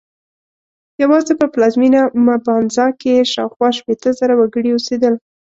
یوازې په پلازمېنه مبانزا کې یې شاوخوا شپېته زره وګړي اوسېدل.